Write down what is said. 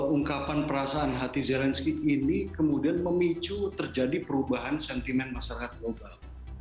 ungkapan perasaan hati zelensky ini kemudian memicu terjadi perubahan sentimen masyarakat global